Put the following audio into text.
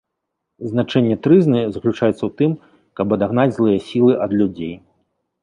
Значэнне трызны заключаецца ў тым, каб адагнаць злыя сілы ад людзей.